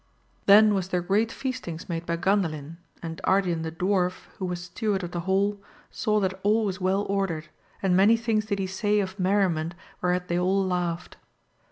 Then was there great feastings made by Gandalin, and Ardian the Dwarf , who was steward of the hall, saw that all was well ordered, and many things did he say of merriment whereat they all laughed.